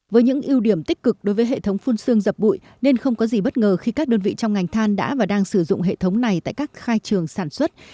với những ưu điểm tích cực đối với hệ thống phun xương dập bụi nên không có gì bất ngờ khi các đơn vị trong ngành than đã và đang sử dụng hệ thống này tại các khai trường sản xuất